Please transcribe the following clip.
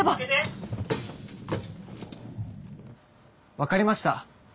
分かりました。